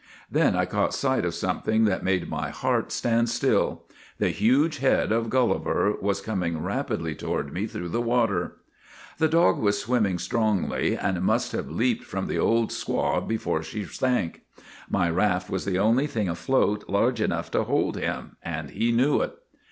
" Then I caught sight of something that made my heart stand still. The huge head of Gulliver was coming rapidly toward me through the water! The dog was swimming strongly, and must have leaped from the Old Squaw before she sank. My raft was the only thing afloat large enough to hold him, and he knew it.